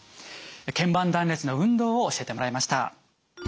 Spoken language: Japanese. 腱板断裂の運動を教えてもらいました。